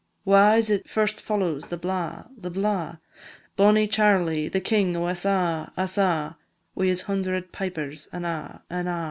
Wha is it first follows the blaw, the blaw? Bonnie Charlie, the king o' us a', us a', Wi' his hundred pipers, an' a', an' a'.